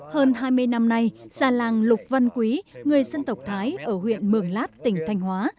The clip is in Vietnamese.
hơn hai mươi năm nay già làng lục văn quý người dân tộc thái ở huyện mường lát tỉnh thanh hóa